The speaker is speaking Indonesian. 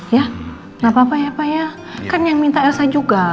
ya nggak apa apa ya pak ya kan yang minta elsa juga